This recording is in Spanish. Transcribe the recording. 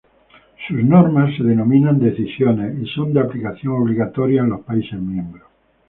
Sus normas se denominan "Decisiones" y son de aplicación obligatoria en los países miembros.